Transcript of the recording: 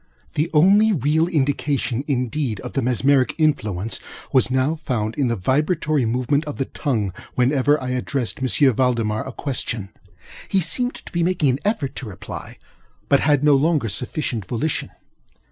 The only real indication, indeed, of the mesmeric influence, was now found in the vibratory movement of the tongue, whenever I addressed M. Valdemar a question. He seemed to be making an effort to reply, but had no longer sufficient volition.